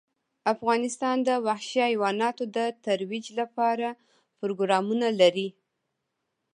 افغانستان د وحشي حیواناتو د ترویج لپاره پروګرامونه لري.